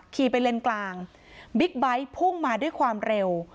ขี่ไปเลนกลางบิ๊กไบท์พุ่งมาด้วยความเร็ว